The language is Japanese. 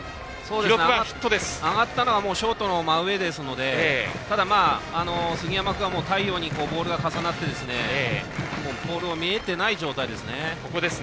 上がったのはショートの真上ですのでただ、杉山君は太陽にボールが重なってボールが見えていない状態ですね。